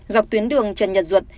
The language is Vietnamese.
dọc tuyến đường trần nhật duận